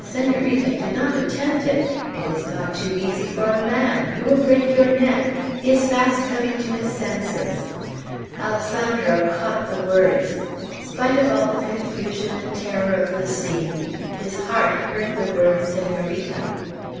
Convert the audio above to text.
Senorita! do not attempt it. It is not too easy for a man. You will break your neck. He is fast coming to his senses." Alessandro caught the words. Spite of all the confusion and terror of the scene, his heart heard the word, "Senorita."